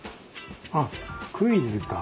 あっクイズか。